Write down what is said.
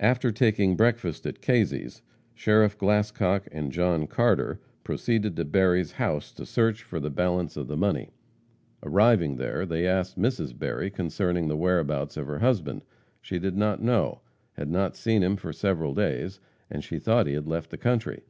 After taking breakfast at Kazy's, Sheriff Glascock and John Carter proceeded to Berry's house to search for the balance of the money. Arriving there, they asked Mrs. Berry concerning the whereabouts of her husband. She did not know; had not seen him for several days, and she thought he had left the country.